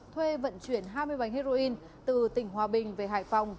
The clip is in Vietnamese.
thuê vận chuyển hai mươi bánh heroin từ tỉnh hòa bình về hải phòng